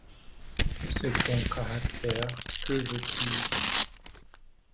C'est ton caractère, que veux-tu ?